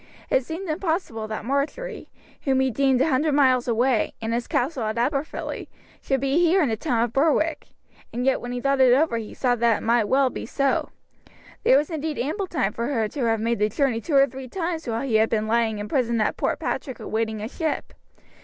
It seemed impossible that Marjory, whom he deemed a hundred miles away, in his castle at Aberfilly, should be here in the town of Berwick, and yet when he thought it over he saw that it might well be so. There was indeed ample time for her to have made the journey two or three times while he had been lying in prison at Port Patrick awaiting a ship.